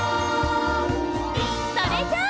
それじゃあ！